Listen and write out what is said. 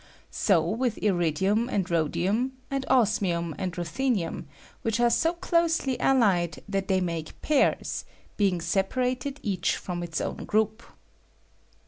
So with iridium and rhodium, and osmium and ruthenium, which are so close ly allied that they make pairs, being separated each from its own group.